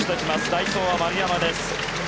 代走は丸山です。